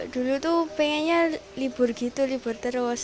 dulu tuh pengennya libur gitu libur terus